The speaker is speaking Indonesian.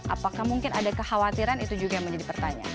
apakah mungkin ada kekhawatiran itu juga yang menjadi pertanyaan